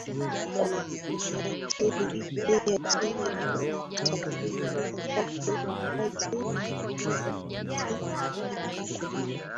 inaathiri pia njia za usafiri Wakati wa majirabaridi ambako